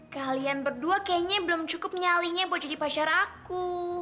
kalian berdua kayaknya belum cukup nyalinya buat jadi pacar aku